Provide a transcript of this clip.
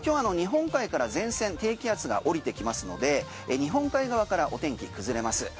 まず午前中、今日日本海から前線、低気圧が降りてきますので日本海側からお天気崩れます。